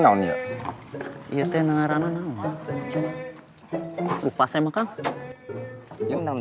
ya entah dari mana ya